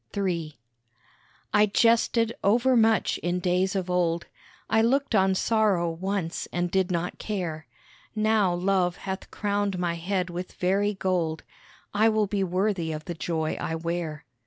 III I jested over much in days of old, I looked on sorrow once and did not care, Now Love hath crowned my head with very gold, I will be worthy of the joy I wear.